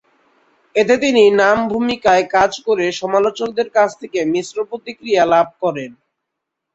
এতে তিনি নাম ভূমিকায় কাজ করে সমালোচকদের কাছ থেকে মিশ্র প্রতিক্রিয়া লাভ করেন।